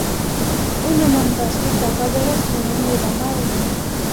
un home amb vestit de quadres donant-li la mà a algú.